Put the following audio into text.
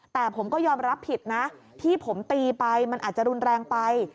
แต่ผมก็ยอมรับผิดนะที่ผมตีไปมันอาจจะรุนแรงไป